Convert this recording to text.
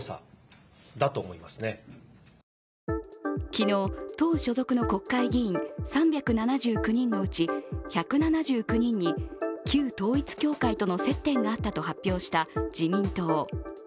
昨日、党所属の国会議員３７９人のうち１７９人に旧統一教会との接点があったと発表した自民党。